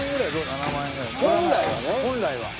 本来はね